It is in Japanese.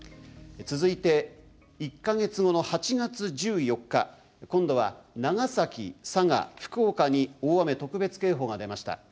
続いて１か月後の８月１４日今度は長崎佐賀福岡に大雨特別警報が出ました。